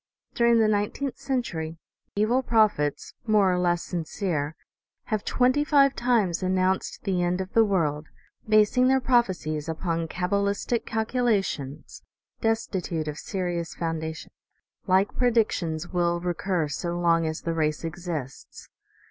During the nineteenth century, evil prophets, more or less sincere, have twenty five times announced the end of the world, basing their prophecies upon cabalistic calcula tions destitute of serious foundation. Like predictions will recur so long as the race exists.